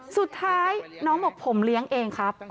สุดท้ายน้องบอกผมเลี้ยงเองครับ